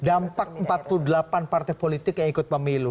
dampak empat puluh delapan partai politik yang ikut pemilu